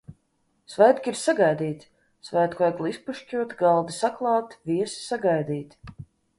Svētki ir sagaidīti, svētku egle izpušķota, galdi saklāti, viesi sagaidīti.